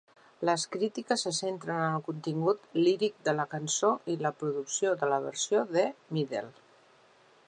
Les crítiques se centren en el contingut líric de la cançó i la producció de la versió de Midler.